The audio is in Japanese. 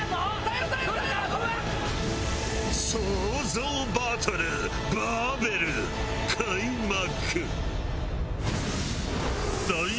創造バトルバベル開幕。